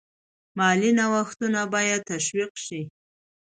مالي نوښتونه باید تشویق شي.